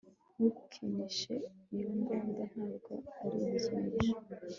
Ntukinishe iyo mbunda ntabwo ari igikinisho